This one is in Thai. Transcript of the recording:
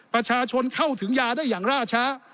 ประชาชนเข้าถึงยาได้อย่างล่าช้า